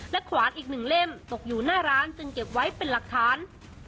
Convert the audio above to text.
ขวานอีก๑เล่มตกอยู่หน้าร้านจึงเก็บไว้เป็นหลักฐาน